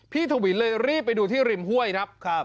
ทวินเลยรีบไปดูที่ริมห้วยครับ